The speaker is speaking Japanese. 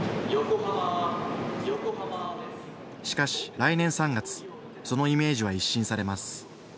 しかし、来年３月、そのイメージは一新されます。